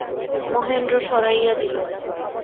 মহেন্দ্র সরাইয়া দিল।